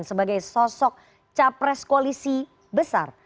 sebagai sosok capres koalisi besar